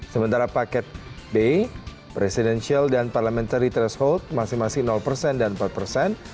sementara paket b presidential dan parliamentary threshold masing masing persen dan empat persen